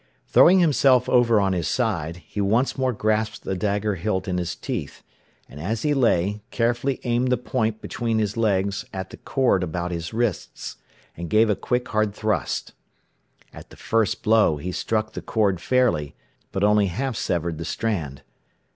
Throwing himself over on his side, he once more grasped the dagger hilt in his teeth, and as he lay, carefully aimed the point between his legs at the cord about his wrists, and gave a quick, hard thrust. At the first blow he struck the cord fairly, but only half severed the strand.